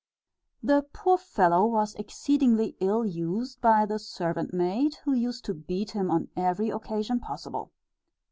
The poor fellow was exceedingly ill used by the servant maid, who used to beat him on every occasion possible.